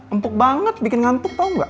empuk banget bikin ngantuk tau gak